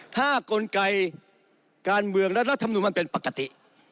ถ้ากลไกการเมืองรัฐมนุนมันเป็นปกติ